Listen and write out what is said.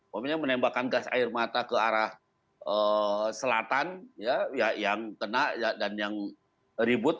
pokoknya menembakkan gas air mata ke arah selatan yang kena dan yang ribut